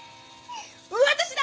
私だ！